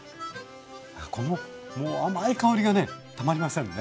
このもう甘い香りがねたまりませんね。